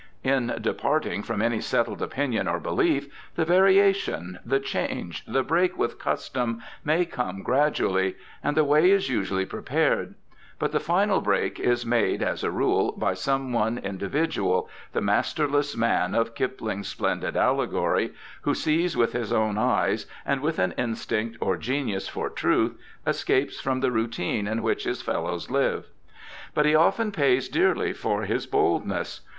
In departing from any settled opinion or belief, the variation, the change, the break with custom may come gradually; and the way is usually prepared; but the final break is made, as a rule, by some one individual, the masterless man of Kipling's splendid allegory, who sees with his own eyes, and with an instinct or genius for truth, escapes from the routine in which his fellows live. But he often pays dearly for his boldness.